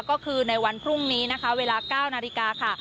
ก็คือในวันพรุ่งนี้นะคะเวลา๙นาฬิกาค่ะ